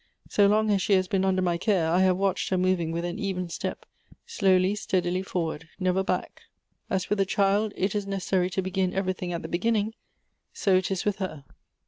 So long as she has been under my care, I have watched her moving with an even step, slowly, steadily forward — never back. As with a child it is nec essary to begin everything at the beginning, so it is with her.